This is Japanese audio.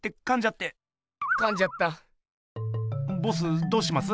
ボスどうします？